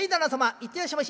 「行ってらっしゃいまし」。